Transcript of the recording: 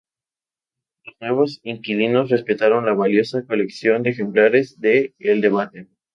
Los nuevos inquilinos respetaron la valiosa colección de ejemplares de "El Debate".